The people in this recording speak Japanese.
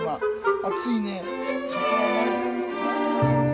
暑いねえ。